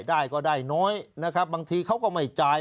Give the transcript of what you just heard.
ได้ก็ได้น้อยนะครับบางทีเขาก็ไม่จ่าย